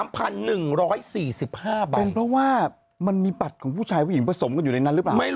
เป็นเพราะว่ามันมีบัตรของผู้ชายผู้หญิงผสมกันอยู่ในนั้นหรือเปล่า